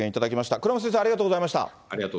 倉持先生、ありがとうございました。